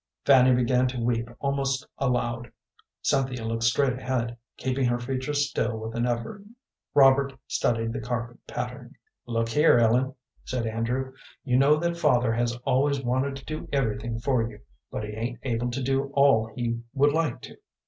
Fanny began to weep almost aloud. Cynthia looked straight ahead, keeping her features still with an effort. Robert studied the carpet pattern. "Look here, Ellen," said Andrew; "you know that father has always wanted to do everything for you, but he ain't able to do all he would like to.